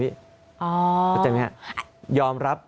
เข้าใจไหมครับ